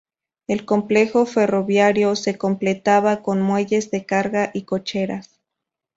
El complejo ferroviario se completaba con muelles de carga y cocheras.